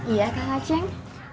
iya kak acing